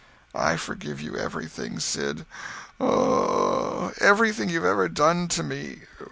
"I forgive you everything, Sid. Everything you've ever done to me.